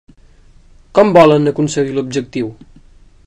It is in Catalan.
Com volen aconseguir l'objectiu?